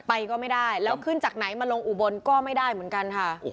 ไปก็ไม่ได้แล้วขึ้นจากไหนมาลงอุบลก็ไม่ได้เหมือนกันค่ะ